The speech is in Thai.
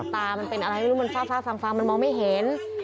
ตามันเป็นอะไรไม่รู้มันฟ้าฟังมันมองไม่เห็น